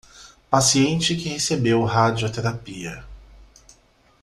Paciente que recebeu radioterapia